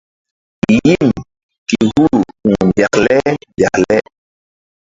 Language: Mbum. Yim ke huru ku̧h ndekle ndekle.